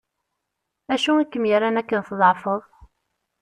Acu i kem-yerran akken tḍeεfeḍ?